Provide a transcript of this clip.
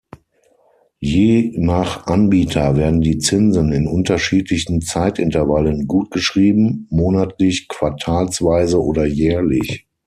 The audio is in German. Je nach Anbieter werden die Zinsen in unterschiedlichen Zeitintervallen gutgeschrieben: monatlich, quartalsweise oder jährlich.